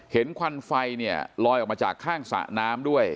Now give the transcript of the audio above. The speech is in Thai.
ควันไฟเนี่ยลอยออกมาจากข้างสระน้ำด้วย